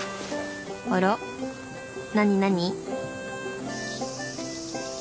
あら何何？